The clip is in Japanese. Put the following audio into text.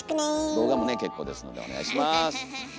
動画もね結構ですのでお願いします。